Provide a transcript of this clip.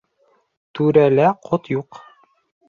Түрәлә ҡот юҡ.